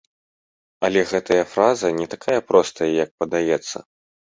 Але гэтая фраза не такая простая, як падаецца.